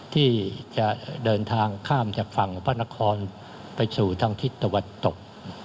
ที่จะเดินทางข้ามจากฝั่งพระนครไปสู่ทางทิศตะวันตก